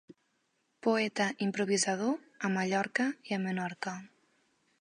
Poeta improvisador, a Mallorca i a Menorca.